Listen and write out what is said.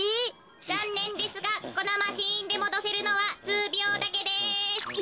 ざんねんですがこのマシーンでもどせるのはすうびょうだけです。え。